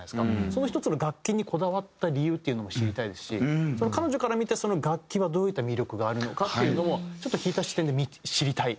その１つの楽器にこだわった理由っていうのを知りたいですし彼女から見てその楽器はどういった魅力があるのかっていうのもちょっと引いた視点で知りたい。